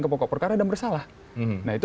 ke pokok perkara dan bersalah nah itu